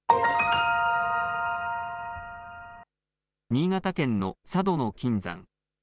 新潟県の佐渡島の金山。